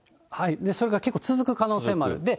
それが結構続く可能性もある。